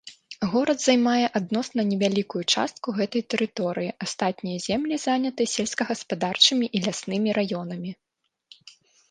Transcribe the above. Горад займае адносна невялікую частку гэтай тэрыторыі, астатнія землі заняты сельскагаспадарчымі і ляснымі раёнамі.